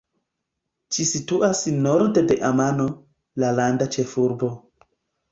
Ĝi situas norde de Amano, la landa ĉefurbo.